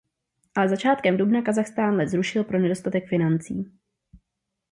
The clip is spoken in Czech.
Ale začátkem dubna Kazachstán let zrušil pro nedostatek financí.